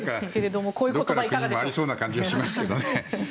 どこでもありそうな感じがしますけどね。